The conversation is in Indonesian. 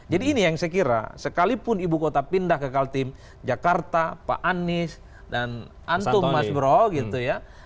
jadi ini yang saya kira sekalipun ibu kota pindah ke kaltim jakarta pak anies dan antum mas bro gitu ya